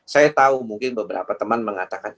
saya tahu mungkin beberapa teman mengatakan